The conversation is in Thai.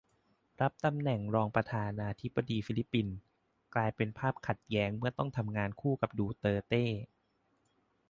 รับตำแหน่งรองประธานาธิบดีฟิลิปปินส์ กลายเป็นภาพขัดแย้งเมื่อต้องทำงานคู่กับ 'ดูเตอร์เต'